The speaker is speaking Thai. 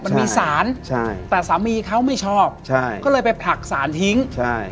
มันมีสารใช่แต่สามีเขาไม่ชอบใช่ก็เลยไปผลักสารทิ้งใช่